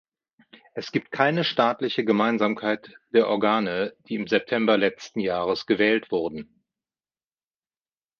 Es gibt keine staatliche Gemeinsamkeit der Organe, die im September letzten Jahres gewählt wurden.